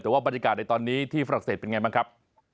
แต่ว่าบรรยากาศในตอนนี้ที่ฝรั่งเศสเป็นไงบ้างครับ